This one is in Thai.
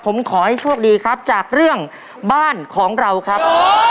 ผมขอให้โชคดีครับจากเรื่องบ้านของเราครับ